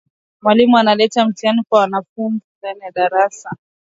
Mwalimu analeta mtiani kwa wanafunzi ndani ya darasa